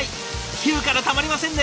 昼からたまりませんね。